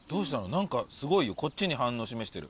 何かすごいこっちに反応を示してる。